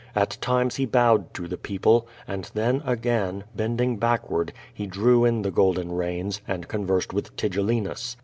At times he bowed to the people, and then, agam, bending backward, he drew in the golden reins, and conversed with Tigellinus.